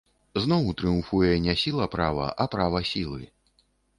Зноў трыумфуе не сіла права, а права сілы.